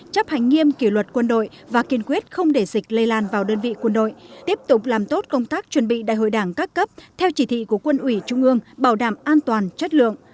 chấp hành nghiêm kỷ luật quân đội và kiên quyết không để dịch lây lan vào đơn vị quân đội tiếp tục làm tốt công tác chuẩn bị đại hội đảng các cấp theo chỉ thị của quân ủy trung ương bảo đảm an toàn chất lượng